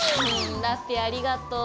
ラッピィありがとう。